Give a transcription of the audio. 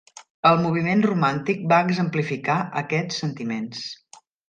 El moviment romàntic va exemplificar aquests sentiments.